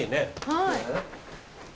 はい。